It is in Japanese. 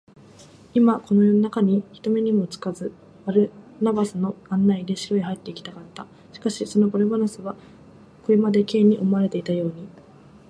今、この夜なかに、人目にもつかず、バルナバスの案内で城へ入っていきたかった。しかし、そのバルナバスは、これまで Ｋ に思われていたように、